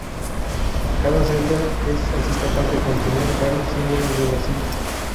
Cada celda es así capaz de contener varios símbolos de la cinta.